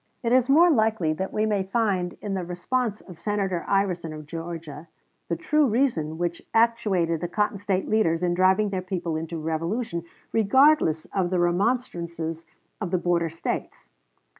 It is more likely that we may find in the response of Senator Iverson, of Georgia, the true reason which actuated the Cotton State leaders in driving their people into revolution, regardless of the remonstrances of the border States.